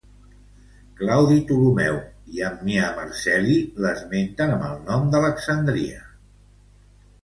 Claudi Ptolemeu i Ammià Marcel·lí l'esmenten amb el nom d'Alexandria.